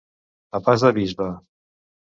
A pas de bisbe.